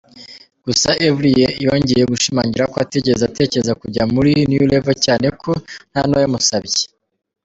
gusa Yverry yongeye gushimangira ko atigeze anatekereza kujya muri New Level cyane ko ntanuwamusabye.